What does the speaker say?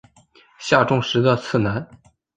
下重实的次男。